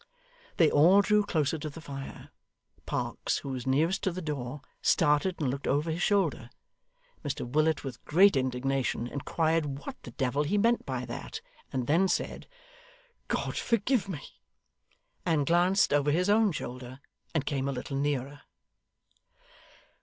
They all drew closer to the fire. Parkes, who was nearest to the door, started and looked over his shoulder. Mr Willet, with great indignation, inquired what the devil he meant by that and then said, 'God forgive me,' and glanced over his own shoulder, and came a little nearer.